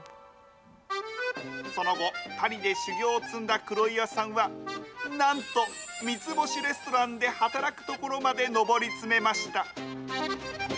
その後、パリで修業を積んだ黒岩さんは、なんと三つ星レストランで働くところまで上り詰めました。